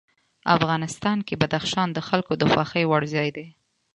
افغانستان کې بدخشان د خلکو د خوښې وړ ځای دی.